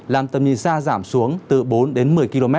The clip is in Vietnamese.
làm tầm nhìn xa giảm xuống từ bốn đến một mươi km